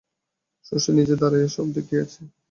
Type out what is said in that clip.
শশী নিজে দাড়াইয়া সব দেখিয়াছে?